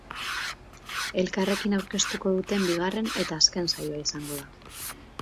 Elkarrekin aurkeztuko duten bigarren eta azken saioa izango da.